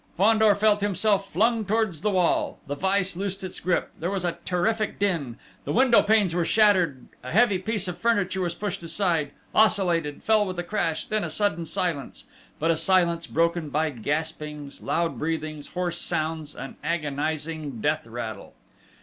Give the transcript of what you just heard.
Fandor felt himself flung towards the wall. The vise loosed its grip. There was a terrific din. The window panes were shattered, a heavy piece of furniture was pushed aside, oscillated, fell with a crash; then a sudden silence; but a silence broken by gaspings, loud breathings, hoarse sounds, an agonising death rattle.